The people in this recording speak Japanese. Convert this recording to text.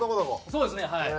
そうですねはい。